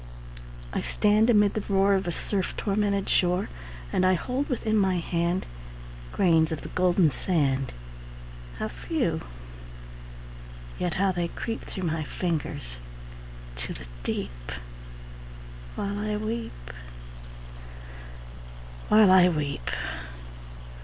I stand amid the roar Of a surf tormented shore, And I hold within my hand Grains of the golden sand How few! yet how they creep Through my fingers to the deep While I weep while I weep!